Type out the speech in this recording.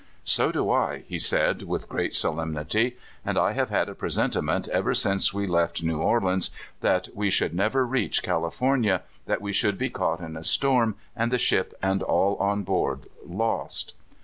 *' So do I," he said with great solemnity; '*and I have had a presentiment ever since we left New Orleans that we should never reach California, that we should be caught in a storm, and the ship and all on board lost."